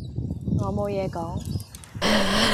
我冇野講